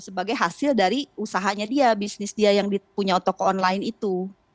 sebagai hasil dari usahanya dia bisnis dia yang punya toko online itu